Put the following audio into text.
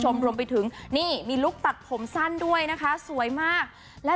รวมไปถึงนี่มีลุคตัดผมสั้นด้วยนะคะสวยมากและ